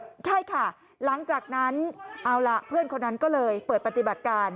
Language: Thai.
ใช่ค่ะหลังจากนั้นเอาล่ะเพื่อนคนนั้นก็เลยเปิดปฏิบัติการ